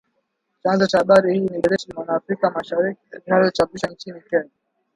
Chanzo cha habari hii ni gazeti la “Mwana Afrika Mashariki” linalochapishwa nchini Kenya